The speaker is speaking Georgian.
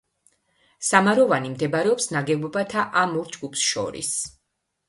სამაროვანი მდებარეობს ნაგებობათა ამ ორ ჯგუფს შორის.